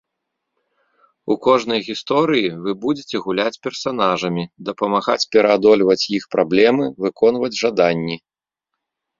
У кожнай гісторыі вы будзеце гуляць персанажамі, дапамагаць пераадольваць іх праблемы, выконваць жаданні.